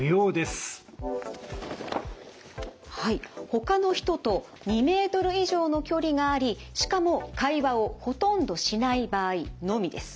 ほかの人と２ｍ以上の距離がありしかも会話をほとんどしない場合のみです。